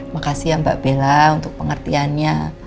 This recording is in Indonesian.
makasih ya mbak bella untuk pengertiannya